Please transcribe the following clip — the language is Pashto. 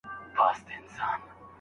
بېرته کور ته راسه.